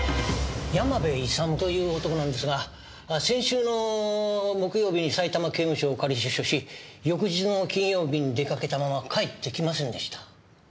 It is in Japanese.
山部勇という男なんですが先週の木曜日にさいたま刑務所を仮出所し翌日の金曜日に出かけたまま帰ってきませんでした。